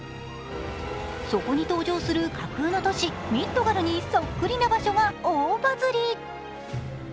そこに登場する架空の都市ミッドガルにそっくりな場所が大バズり。